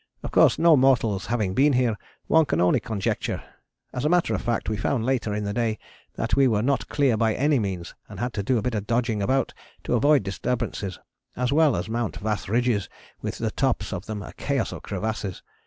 Of course no mortals having been here, one can only conjecture; as a matter of fact, we found later in the day that we were not clear by any means, and had to do a bit of dodging about to avoid disturbances, as well as mount vast ridges with the tops of them a chaos of crevasses.